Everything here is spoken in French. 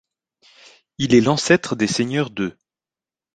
Il est l'ancêtre des seigneurs de .